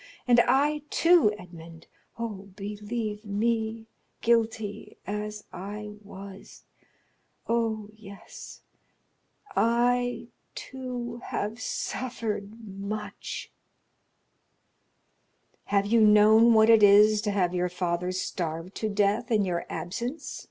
And I, too, Edmond—oh! believe me—guilty as I was—oh, yes, I, too, have suffered much!" "Have you known what it is to have your father starve to death in your absence?"